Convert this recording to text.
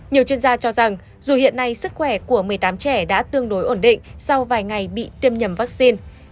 nhiều chuyên gia cho rằng dù hiện nay sức khỏe của một mươi tám trẻ đã tương đối ổn định sau vài ngày bị tiêm nhầm vaccine